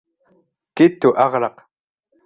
كدت اغرق